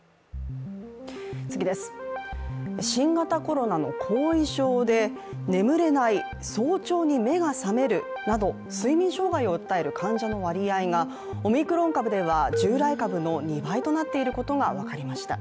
新型コロナの後遺症で眠れない、早朝に目が覚めるなど睡眠障害を訴える患者の割合が、オミクロン株では従来株の２倍となっていることが分かりました。